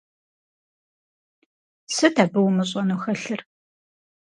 Сыт абы умыщӀэну хэлъыр?!